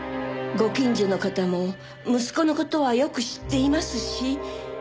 ご近所の方も息子の事はよく知っていますし。